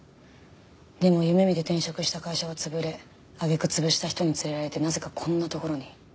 でも夢見て転職した会社は潰れ揚げ句潰した人に連れられてなぜかこんな所に。